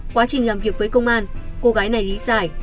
quá trình làm việc với công an cô gái này lý giải